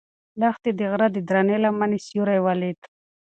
لښتې د غره د درنې لمنې سیوری ولید.